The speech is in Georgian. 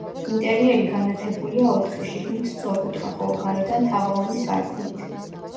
ინტერიერი განათებულია ოთხი, შიგნით სწორკუთხა, ხოლო გარედან თაღოვანი სარკმლით.